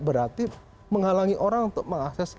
berarti menghalangi orang untuk mengakses